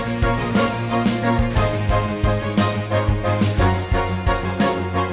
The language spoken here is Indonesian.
mudah mudahan aja gua gak telat buat ngebeta